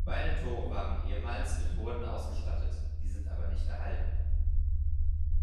Beide Tore waren ehemals mit Hurden ausgestattet, sie sind aber nicht erhalten.